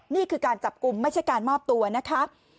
นี่คือการจับกลุ่มไม่ใช่การมอบตัวนะคะ